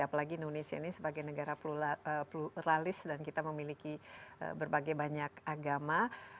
apalagi indonesia ini sebagai negara pluralis dan kita memiliki berbagai banyak agama